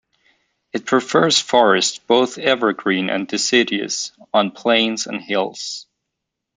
It prefers forests, both evergreen and deciduous, on plains and hills.